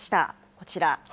こちら。